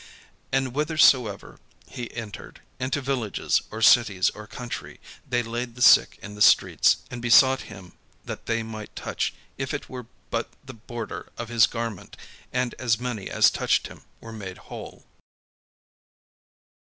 And whithersoever he entered, into villages, or cities, or country, they laid the sick in the streets, and besought him that they might touch if it were but the border of his garment: and as many as touched him were made whole.